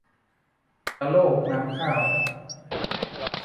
กระโรกน้ำข้าว